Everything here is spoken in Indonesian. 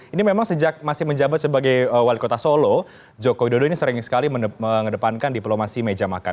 ini memang sejak masih menjabat sebagai wali kota solo joko widodo ini sering sekali mengedepankan diplomasi meja makan